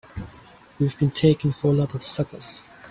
We've been taken for a lot of suckers!